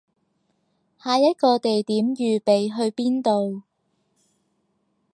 下一個地點預備去邊度